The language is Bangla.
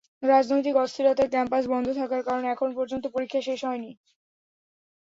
রাজনৈতিক অস্থিরতায় ক্যাম্পাস বন্ধ থাকার কারণে এখন পর্যন্ত পরীক্ষা শেষ হয়নি।